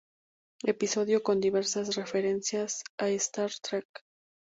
Episodio con diversas referencias a Star Trek.